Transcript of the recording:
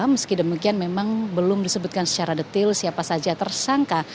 meski demikian memang belum disebutkan secara detail siapa saja tersangka